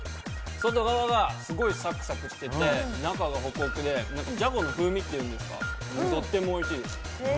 外側がすごいサクサクしてて、中がホクホクでじゃこの風味というんですか、とってもおいしいです。